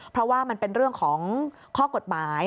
เพราะว่ามันเป็นเรื่องของข้อกฎหมาย